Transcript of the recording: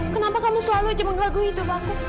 kenapa kamu selalu aja menggaguhi dom aku